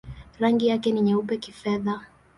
Rangi yake ni nyeupe-kifedha.